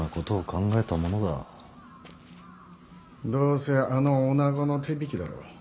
どうせあの女子の手引きだろう。